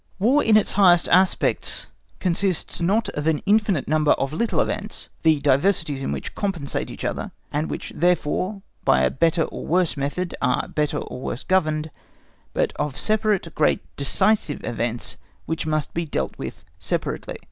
War in its highest aspects consists not of an infinite number of little events, the diversities in which compensate each other, and which therefore by a better or worse method are better or worse governed, but of separate great decisive events which must be dealt with separately.